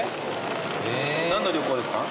何の旅行ですか？